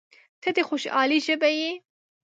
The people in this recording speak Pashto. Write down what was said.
• ته د خوشحالۍ ژبه یې.